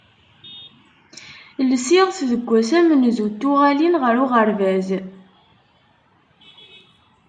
Lsiɣ-t deg wass amenzu n tuɣalin ɣer uɣerbaz.